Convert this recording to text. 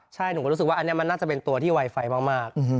ใช่หนูก็รู้สึกว่าอันนี้มันน่าจะเป็นตัวที่ไวไฟมาก